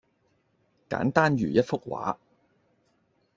簡單如一幅畫